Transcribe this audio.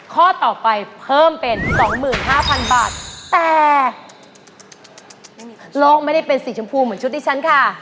ข้อต่อไปเพิ่มเป็น๒๕๐๐๐บาทแต่โลกไม่ได้เป็นสีชมพูเหมือนชุดที่ฉันค่ะ